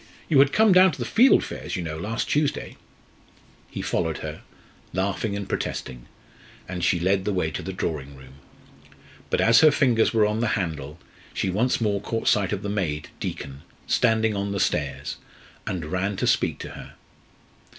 You had come down to the fieldfares, you know, last Tuesday." He followed her, laughing and protesting, and she led the way to the drawing room. But as her fingers were on the handle she once more caught sight of the maid, Deacon, standing on the stairs, and ran to speak to her.